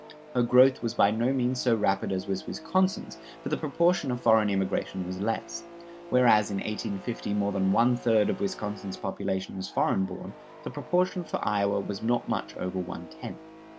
Her growth was by no means so rapid as was Wisconsin's, for the proportion of foreign immigration was less. Whereas in 1850 more than one third of Wisconsin's population was foreign born, the proportion for Iowa was not much over one tenth.